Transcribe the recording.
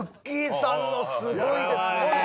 さんのすごいですね。